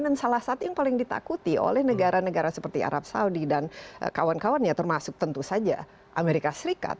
dan salah satu yang paling ditakuti oleh negara negara seperti arab saudi dan kawan kawan ya termasuk tentu saja amerika serikat